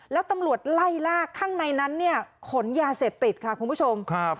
แล้วตำรวจไล่ลากข้างในนั้นเนี่ยขนยาเสพติดค่ะคุณผู้ชมครับ